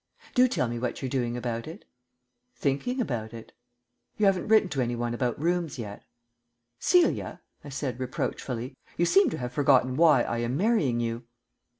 "Do tell me what you're doing about it?" "Thinking about it." "You haven't written to any one about rooms yet?" "Celia," I said reproachfully, "you seem to have forgotten why I am marrying you."